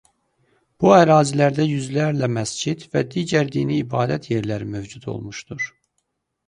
Bu ərazidə yüzlərlə məscid və digər dini ibadət yerləri mövcud olmuşdur.